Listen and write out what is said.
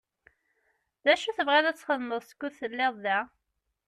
D acu i tebɣiḍ ad txedmeḍ skud telliḍ da?